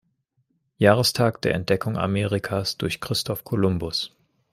Jahrestag der Entdeckung Amerikas durch Christoph Kolumbus.